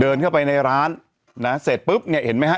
เดินเข้าไปในร้านนะเสร็จปุ๊บเนี่ยเห็นไหมฮะ